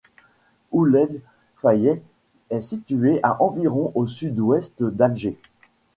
Ouled Fayet est située à environ au sud-ouest d'Alger.